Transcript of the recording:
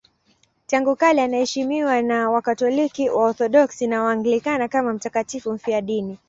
Tangu kale anaheshimiwa na Wakatoliki, Waorthodoksi na Waanglikana kama mtakatifu mfiadini.